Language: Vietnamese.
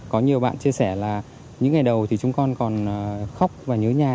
có nhiều bạn chia sẻ là những ngày đầu thì chúng con còn khóc và nhớ nhà